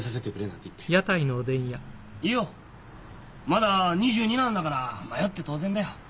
まだ２２なんだから迷って当然だよ。